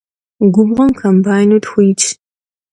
Gubğuem kombaynu txu yitş.